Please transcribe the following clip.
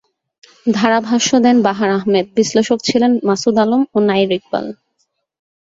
ধারাভাষ্য দেন বাহার আহমেদ, বিশ্লেষক ছিলেন মাসুদ আলম ও নাইর ইকবাল।